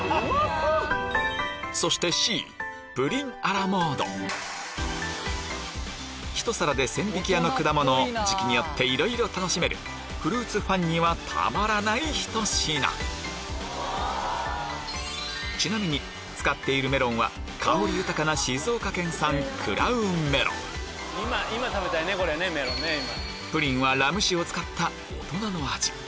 そしてひと皿で千疋屋の果物を時期によっていろいろ楽しめるフルーツファンにはたまらないひと品ちなみに使っているメロンは香り豊かなプリンはラム酒を使った大人の味